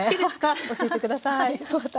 教えて下さいまた。